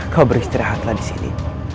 kau beristirahatlah disini